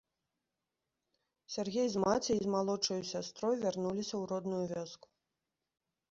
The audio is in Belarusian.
Сяргей з маці і з малодшаю сястрою вярнуліся ў родную вёску.